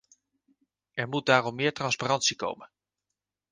Er moet daarom meer transparantie komen.